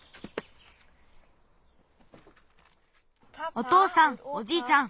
おとうさんおじいちゃん。